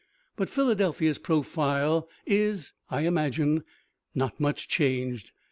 But Philadelphia's profile is (I imagine) not much changed.